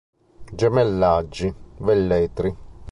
Gemellaggi: Velletri